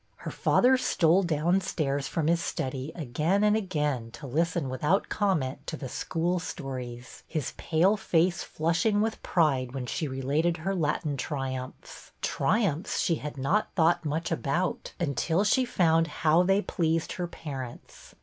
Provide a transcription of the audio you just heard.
Her father stole downstairs from his study again and again to listen without comment to the school stories, his pale face flushing with pride when she related her Latin tri umphs, triumphs she had not thought much about until she found how they pleased her parents.